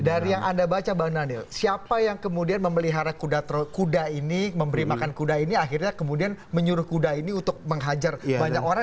dari yang anda baca bang daniel siapa yang kemudian memelihara kuda ini memberi makan kuda ini akhirnya kemudian menyuruh kuda ini untuk menghajar banyak orang